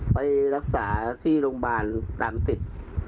ไปรักษาที่โรงพยาบาลตามสิทธิ์